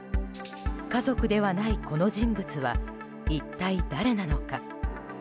家族ではないこの人物は一体誰なのか。